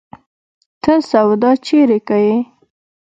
ته سودا چيري کيې؟